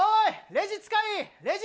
レジ使い。